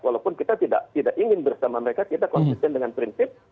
walaupun kita tidak ingin bersama mereka kita konsisten dengan prinsip